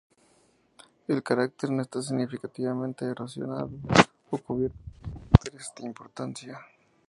El cráter no está significativamente erosionado o cubierto por cráteres de importancia.